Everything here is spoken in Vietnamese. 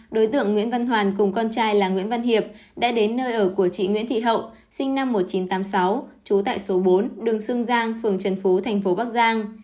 đối tượng nguyễn văn hoàn cùng con trai là nguyễn văn hiệp đã đến nơi ở của chị nguyễn thị hậu sinh năm một nghìn chín trăm tám mươi sáu trú tại số bốn đường sương giang phường trần phú thành phố bắc giang